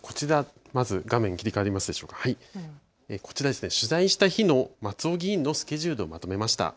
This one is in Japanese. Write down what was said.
こちら、取材した日の松尾議員のスケジュールをまとめました。